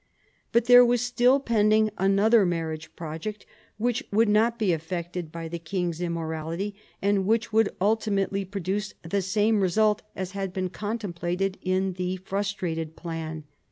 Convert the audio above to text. But there was still pending another marriage project, which would not be affected by the king's immorality, and which would ultimately produce the same result as had been contemplated in the frustrated plan.